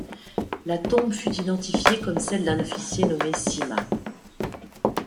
La tombe fut identifiée comme celle d'un officier nommé Sima.